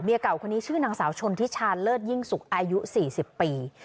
เก่าคนนี้ชื่อนางสาวชนทิชาเลิศยิ่งสุกอายุ๔๐ปี